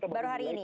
baru hari ini